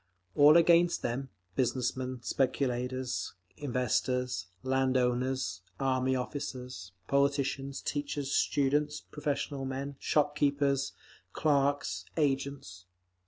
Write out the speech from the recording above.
All were against them—business men, speculators, investors, land owners, army officers, politicians, teachers, students, professional men, shop keepers, clerks, agents.